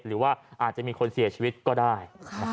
หรือว่าอาจจะมีคนเสียชีวิตก็ได้